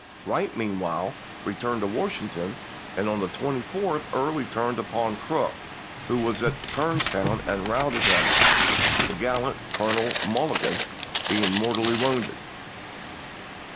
Wright meanwhile returned to Washington ; and on the 24th Early turned upon Crook, who was at Kernstown, and routed him, the gallant Colonel Mulligan being mortally wounded.